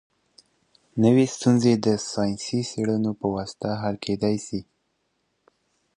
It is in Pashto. نوي ستونزي د ساینسي څېړنو په واسطه حل کيدای سي.